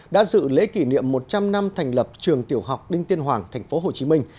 đã dự lễ kỷ niệm một trăm linh năm thành lập trường tiểu học đinh tiên hoàng tp hcm